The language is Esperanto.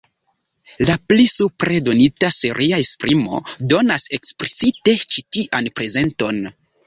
La pli supre donita seria esprimo donas eksplicite ĉi tian prezenton.